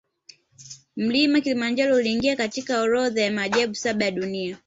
Mlima kilimanjaro uliingia katika orodha ya maajabu saba ya dunia